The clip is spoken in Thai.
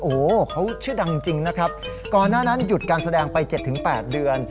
โอ้โหเขาชื่อดังจริงนะครับก่อนหน้านั้นหยุดการแสดงไป๗๘เดือน